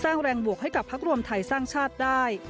สร้างแรงบวกให้กับพักรวมไทยสร้างชาติได้